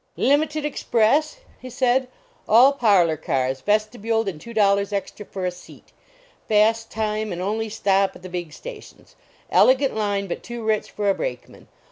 " Limited express!" he said, "all parlor cars, vestibuled, and two dollars extra for a seat; fast time, and only stop at the big sta tions. Elegant line, but too rich for a brake man.